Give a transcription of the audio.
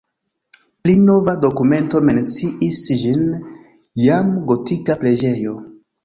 Pli nova dokumento menciis ĝin jam gotika preĝejo.